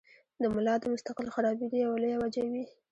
د ملا د مستقل خرابېدو يوه لويه وجه وي -